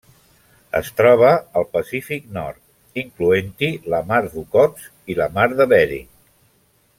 Es troba al Pacífic nord, incloent-hi la Mar d'Okhotsk i la Mar de Bering.